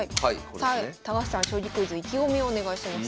さあ高橋さん「将棋クイズ」意気込みをお願いします。